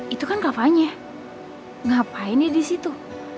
itu kan kevanya ngapain ya di situ